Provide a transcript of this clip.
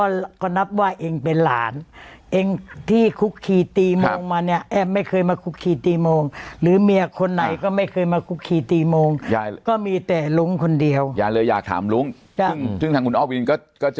แล้วขอถามยางอีกเลยนิยายพูดนะ